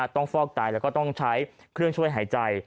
ฟอกไตแล้วก็ต้องใช้เครื่องช่วยหายใจ